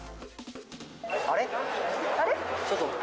あれ？